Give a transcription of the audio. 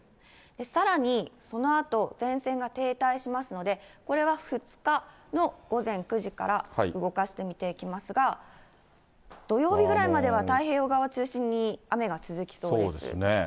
さらにそのあと、前線が停滞しますので、これは２日の午前９時から動かして見ていきますが、土曜日ぐらいまでは太平洋側を中心に、雨が続きそうです。